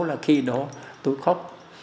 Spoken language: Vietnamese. là khi đó tôi khóc